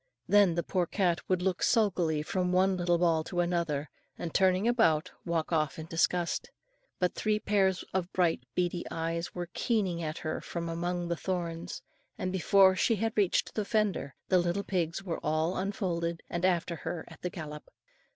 Then the poor cat would look sulkily from one little ball to another, and turning about, walk off in disgust. But three pairs of bright beady eyes were keeking at her from among the thorns; and before she had reached the fender, the little pigs were all unfolded and after her at the galop.